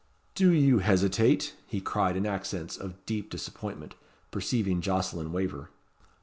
"Do you hesitate?" he cried in accents of deep disappointment, perceiving Jocelyn waver.